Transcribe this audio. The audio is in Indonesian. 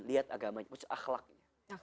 lihat agamanya maksudnya akhlaknya